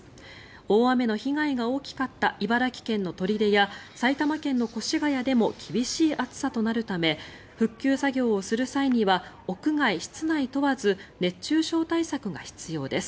大雨の被害が大きかった茨城県の取手や埼玉県の越谷でも厳しい暑さとなるため復旧作業をする際には屋外、室内問わず熱中症対策が必要です。